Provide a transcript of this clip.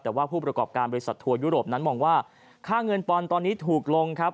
แต่ว่าผู้ประกอบการบริษัททัวร์ยุโรปนั้นมองว่าค่าเงินปอนด์ตอนนี้ถูกลงครับ